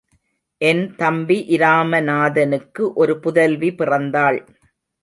என் தம்பி இராமநாதனுக்கு ஒரு புதல்வி பிறந்தாள்.